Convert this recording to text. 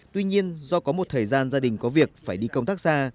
tuy nhiên do có một thời gian gia đình có việc phải đi công tác xa